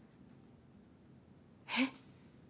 えっ？